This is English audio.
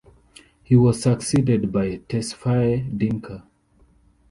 He was succeeded by Tesfaye Dinka.